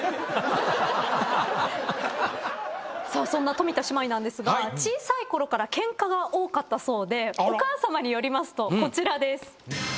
そんな冨田姉妹なんですが小さいころからケンカが多かったそうでお母さまによりますとこちらです。